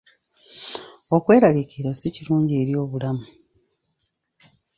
Okweraliikirira si kulungi eri obulamu.